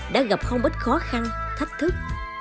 đã gặp không ít khó khăn thách thức